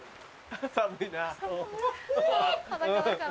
寒いな。